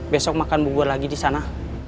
besok makan bubur lagi disana